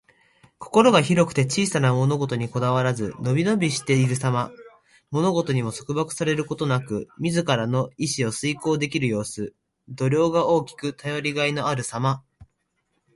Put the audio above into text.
心が広くて小さな物事にこだわらず、のびのびしているさま。何事にも束縛されることなく、自らの意志を遂行できる様子。度量が大きく、頼りがいのあるさま。